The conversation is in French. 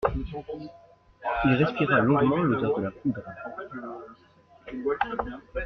Il respira longuement l'odeur de la poudre.